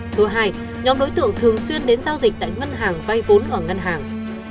thứ hai nhóm đối tượng thường xuyên đến giao dịch tại ngân hàng vay vốn ở ngân hàng